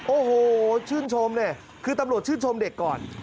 โอ้โหชื่นชมเนี่ยคือตำรวจชื่นชมเด็กก่อน